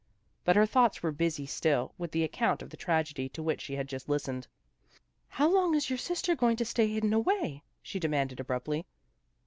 But her thoughts were busy still with the account of the tragedy to which she had just listened. " How long is your sister going to stay hidden away? " she de manded abruptly.